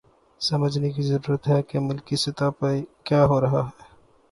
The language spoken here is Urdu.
سمجھنے کی ضرورت ہے کہ ملکی سطح پہ کیا ہو رہا ہے۔